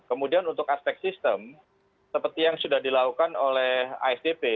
kemudian untuk aspek sistem seperti yang sudah dilakukan oleh asdp